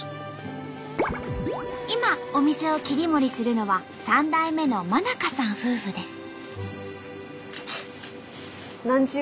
今お店を切り盛りするのは３代目の馬中さん夫婦です。